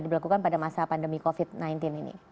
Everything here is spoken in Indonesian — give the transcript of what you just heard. diberlakukan pada masa pandemi covid sembilan belas ini